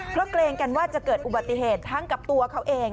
เพราะเกรงกันว่าจะเกิดอุบัติเหตุทั้งกับตัวเขาเอง